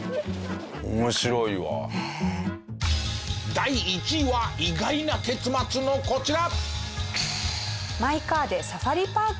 第１位は意外な結末のこちら！